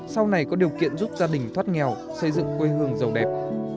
sau này có điều kiện giúp gia đình thoát nghèo xây dựng quê hương giàu đẹp